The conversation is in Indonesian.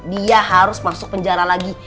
dia harus masuk penjara lagi